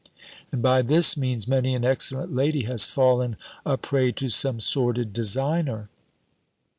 And by this means many an excellent lady has fallen a prey to some sordid designer.